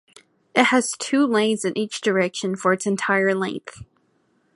It has two lanes in each direction for its entire length.